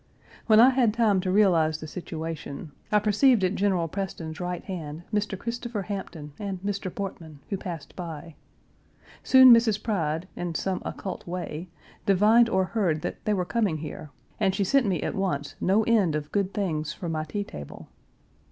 When I had time to realize the situation, I perceived at General Preston's right hand Mr. Christopher Hampton and Mr. Portman, who passed by. Soon Mrs. Pride, in some occult way, divined or heard that they were coming here, and she sent me at once no end of good things for my tea table.